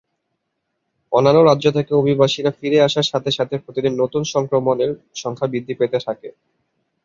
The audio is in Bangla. অন্যান্য রাজ্য থেকে অভিবাসীরা ফিরে আসার সাথে সাথে প্রতিদিন নতুন সংক্রমণের সংখ্যা বৃদ্ধি পেতে থাকে।